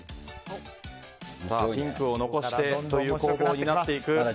ピンクを残してという攻防になっていく。